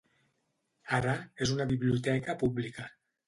Ara, és una biblioteca pública.